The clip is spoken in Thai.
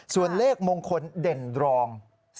ส่วนเลขมงคลเด่นรอง